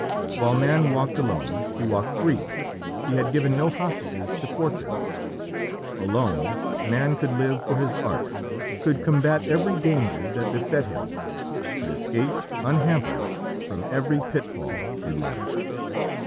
While man walked alone, he walked free he had given no "hostages to fortune." Alone, man could live for his art, could combat every danger that beset him, could escape, unhampered, from every pitfall in life.